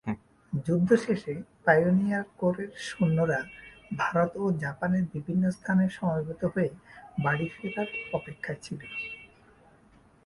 যুদ্ধ শেষে পাইওনিয়ার কোরের সৈন্যরা ভারত ও জাপানের বিভিন্ন স্থানে সমবেত হয়ে বাড়ি ফেরার অপেক্ষায় ছিল।